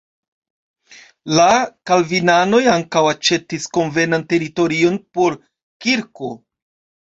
La kalvinanoj ankaŭ aĉetis konvenan teritorion por kirko.